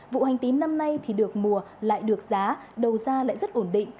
vụ hành tím năm nay thì được mùa lại được giá đầu ra lại rất ổn định